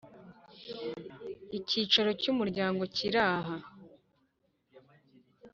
Icyicaro cy umuryango kiri aha